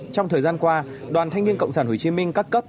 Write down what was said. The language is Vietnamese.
trong thời gian qua đoàn thanh niên cộng sản hồ chí minh các cấp